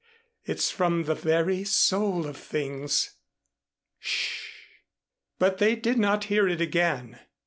It's from the very soul of things." "Sh " But they did not hear it again.